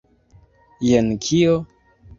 Jen kio?